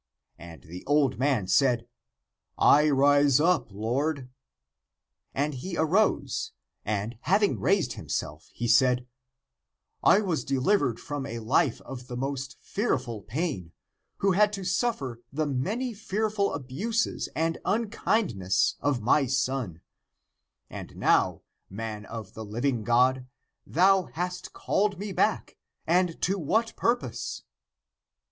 And the old man said, " I rise up, lord." And he arose, and, having raised himself, he said, " I was deliv ered from a life of the most fearful pain, who had to suffer the many fearful abuses and unkindness of my son ; and now, man of the living God, thou hast called me back — (and) to what purpose?"